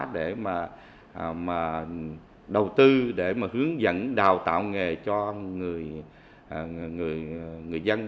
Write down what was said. để mà đầu tư để mà hướng dẫn đào tạo nghề cho người dân